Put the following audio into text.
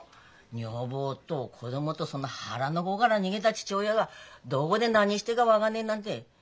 女房と子供とその腹の子から逃げた父親がどこで何してっか分かんねえなんて